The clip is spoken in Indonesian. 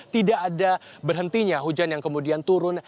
tidak ada berhentinya hujan yang kemudian turun